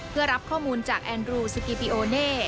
เพื่อรับข้อมูลจากแอนรูสุกิปิโอเน่